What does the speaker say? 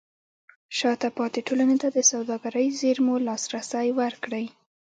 شاته پاتې ټولنې ته د سوداګرۍ زېرمو لاسرسی ورکړئ.